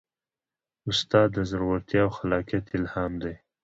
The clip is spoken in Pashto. استاد د زړورتیا او خلاقیت الهام دی.